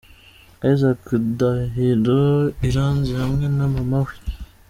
Isaac Ndahiro Iranzi hamwe na mama we.